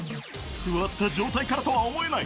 座った状態からとは思えない、